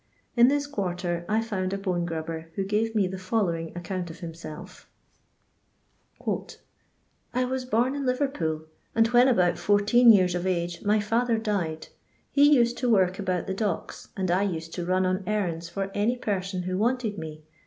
In this quarter I found a bone grubber who gaye me the following account of himself :—" I was born in Liverpool, and when about 14 years of age, my father died, lie used to work about the Docks, and I used to nm on errands for any person who wanted me.